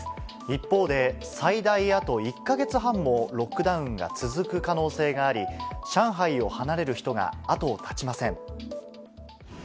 一方で、最大あと１か月半もロックダウンが続く可能性があり、上海を離れる人が後を絶ちません。